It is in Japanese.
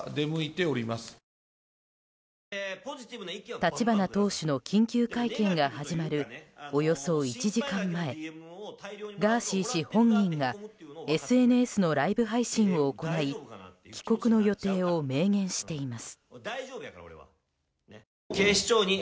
立花党首の緊急会見が始まるおよそ１時間前ガーシー氏本人がＳＮＳのライブ配信を行い帰国の予定を明言しています。